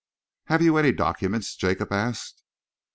"Have you any documents?" Jacob asked.